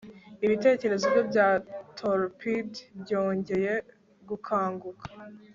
Ibitekerezo bye bya torpid byongeye gukanguka